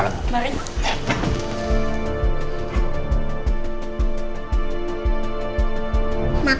kalau gitu saya permisi pak